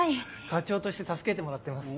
課長として助けてもらってます。